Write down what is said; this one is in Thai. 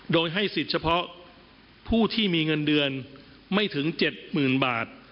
โดยให้สิทธิ์เฉพาะผู้ที่มีเงินเดือนไม่ถึง๗๐๐๐บาท